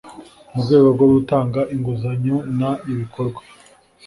mu rwego rwo gutanga inguzanyo n ibikorwa